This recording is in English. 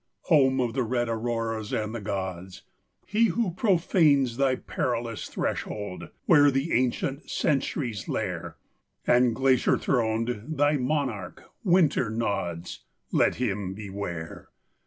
VII Home of the red Auroras and the gods! He who profanes thy perilous threshold, where The ancient centuries lair, And, glacier throned, thy monarch, Winter, nods, Let him beware!